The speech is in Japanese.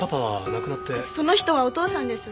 その人はお父さんです。